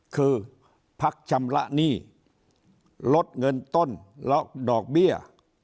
คือพักชำระหนี้ลดเงินต้นล็อกดอกเบี้ย